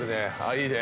いいね。